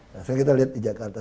nah sekarang kita lihat di jakarta